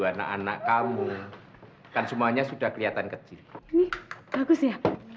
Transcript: anak anak kamu kan semuanya sudah kelihatan kecil ini bagus ya